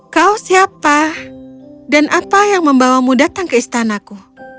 kau siapa dan apa yang membawamu datang ke istanaku